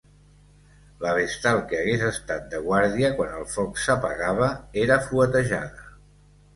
La vestal que hagués estat de guàrdia quan el foc s'apagava, era fuetejada.